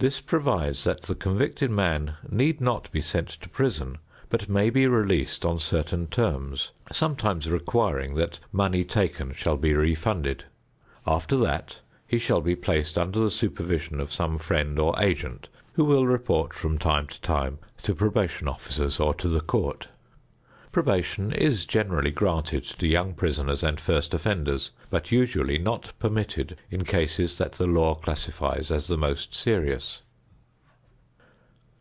This provides that the convicted man need not be sent to prison but may be released on certain terms, sometimes requiring that money taken shall be refunded. After that he shall be placed under the supervision of some friend or agent who will report from time to time to probation officers or to the court. Probation is generally granted to young prisoners and first offenders but usually not permitted in cases that the law classifies as the most serious.